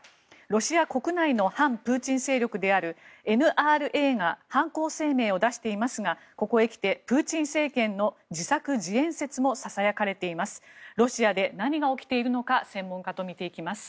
ロシア国内の反プーチン勢力であるＮＲＡが犯行声明を出していますがここへ来てプーチン政権の自作自演説もささやかれています。